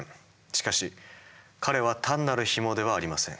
しかし彼は単なるヒモではありません。